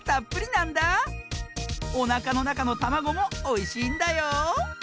おなかのなかのたまごもおいしいんだよ！